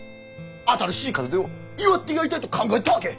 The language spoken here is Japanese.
新しい門出を祝ってやりたいと考えたわけ！